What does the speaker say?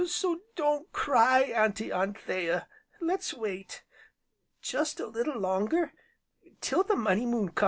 So don't cry, Auntie Anthea let's wait just a little longer till the Money Moon comes."